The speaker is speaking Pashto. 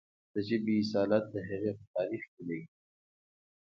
د ژبې اصالت د هغې په تاریخ کې دی.